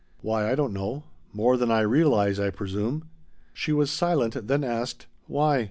"Why I don't know; more than I realize, I presume." She was silent, then asked: "Why?"